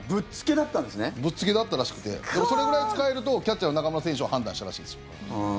ぶっつけだったらしくてでも、それくらい使えるとキャッチャーの中村選手は判断したらしいんですよ。